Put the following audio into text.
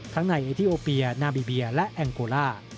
ทั้งในเอทีโอเปียนาบีเบียและแองโกล่า